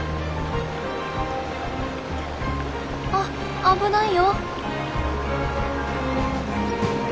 あっ危ないよ！